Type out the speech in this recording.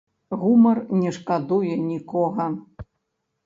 Гумар не шкадуе нікога!